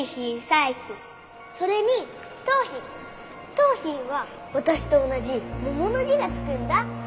桃浜は私と同じ「桃」の字が付くんだ。